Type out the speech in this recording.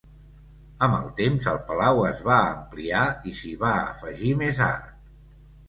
Amb el temps el palau es va ampliar i s'hi va afegir més art.